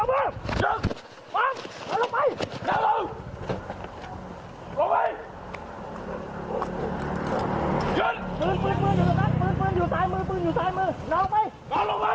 ยึดพื้นรวมสักอยู่ลิงก์ซ้ายมือบีนออกไปนับลงไป